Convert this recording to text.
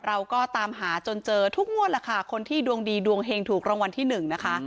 เราก็ตามหาจนเจอทุกงวดแหละค่ะคนที่ดวงดีดวงเฮงถูกรางวัลที่หนึ่งนะคะ